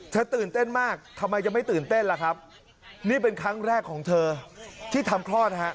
ตื่นเต้นมากทำไมยังไม่ตื่นเต้นล่ะครับนี่เป็นครั้งแรกของเธอที่ทำคลอดฮะ